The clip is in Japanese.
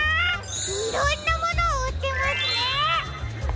いろんなものをうってますね！